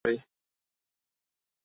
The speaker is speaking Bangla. তোর লইগ্গা সবই পারি।